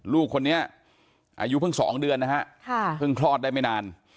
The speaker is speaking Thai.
ลูกคนนี้อายุเพิ่ง๒เดือนนะฮะเพิ่งคลอดได้ไม่นาน